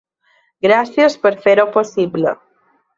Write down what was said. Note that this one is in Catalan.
Gràcies per fer-ho possible.